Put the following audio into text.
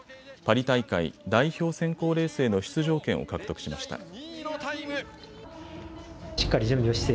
パリ大会代表選考レースへの出場権を獲得しました。